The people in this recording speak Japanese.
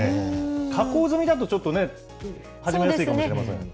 加工済みだとちょっとね、始めやすいかもしれませんが。